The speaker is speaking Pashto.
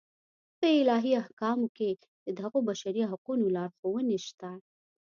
په الهي احکامو کې د دغو بشري حقونو لارښوونې شته.